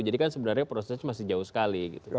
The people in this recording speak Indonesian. jadi kan sebenarnya proses masih jauh sekali gitu